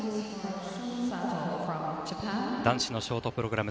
男子のショートプログラム